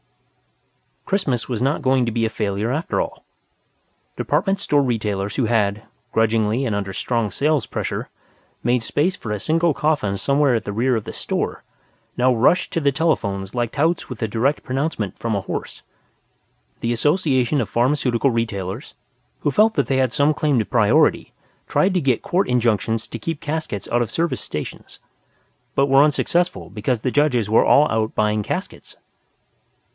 Christmas was not going to be a failure after all. Department store managers who had, grudgingly and under strong sales pressure, made space for a single coffin somewhere at the rear of the store, now rushed to the telephones like touts with a direct pronouncement from a horse. Everyone who possibly could got into the act. Grocery supermarkets put in casket departments. The Association of Pharmaceutical Retailers, who felt they had some claim to priority, tried to get court injunctions to keep caskets out of service stations, but were unsuccessful because the judges were all out buying caskets.